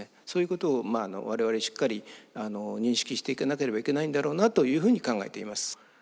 そういうことを我々しっかり認識していかなければいけないんだろうなというふうに考えています。